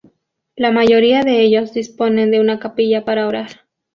La mayoría de ellos disponen de una capilla para orar.